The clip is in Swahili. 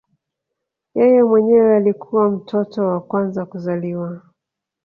Yeye mwenyewe alikuwa mtoto wa kwanza kuzaliwa